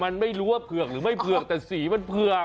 มันไม่รู้ว่าเผือกหรือไม่เผือกแต่สีมันเผือก